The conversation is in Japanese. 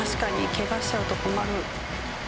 ケガしちゃうと困る。